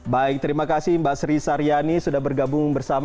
baik terima kasih mbak sri saryani sudah bergabung bersama